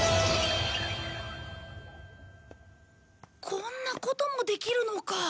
こんなこともできるのか。